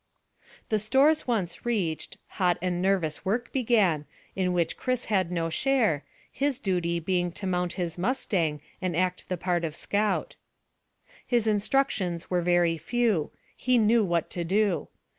The stores once reached, hot and nervous work began, in which Chris had no share, his duty being to mount his mustang and act the part of scout. His instructions were very few; he knew what to do.